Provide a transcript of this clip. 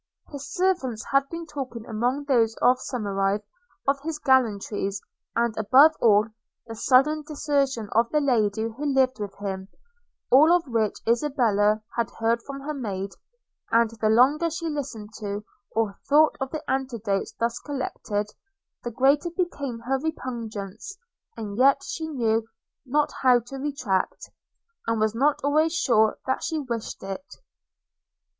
His servants had been talking among those of Somerive, of his gallantries, and, above all, of the sudden desertion of the lady who lived with him; all of which Isabella had heard from her maid, and the longer she listened to, or thought of the anecdotes thus collected, the greater became her repugnance; and yet she knew not how to retract, and was not always sure that she wished it.